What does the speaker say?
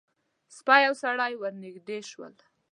سپی او سړی ور نږدې شول.